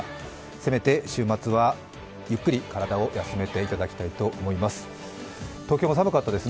せめて週末は、ゆっくり体を休めていただきたいと思います。